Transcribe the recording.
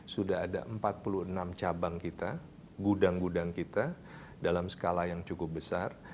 sudah ada empat puluh enam cabang kita gudang gudang kita dalam skala yang cukup besar